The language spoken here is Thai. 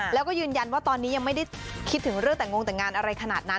แล้วก็ยืนยันว่าตอนนี้ยังไม่ได้คิดถึงเรื่องแต่งงแต่งงานอะไรขนาดนั้น